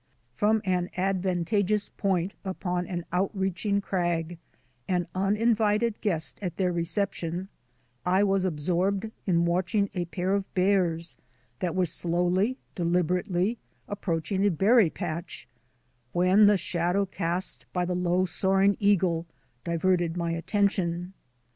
From an advantageous point upon an out reaching crag, an uninvited guest at their recep tion, I was absorbed in watching a pair of bears that were slowly, deliberately, approaching a berry patch, when the shadow cast by a low soaring eagle diverted my attention.